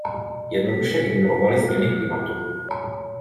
Jednoduše ignorovali změny klimatu.